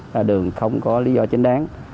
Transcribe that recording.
ra đường không có lý do chính đáng